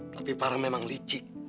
tapi farah memang licik